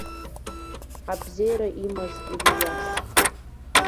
Абзиара имаз Илиас!